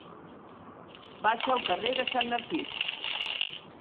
Vaig al carrer de Sant Narcís.